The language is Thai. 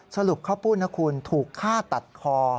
สรุปข้าวปุ้นนะคุณถูกฆ่าตัดคอ